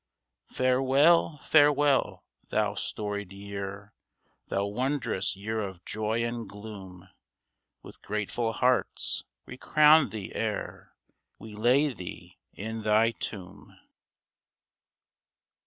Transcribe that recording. Farewell, farewell, thou storied Year ! Thou wondrous Year of joy and gloom ! With grateful hearts we crown thee, ere We lay thee in thy tomb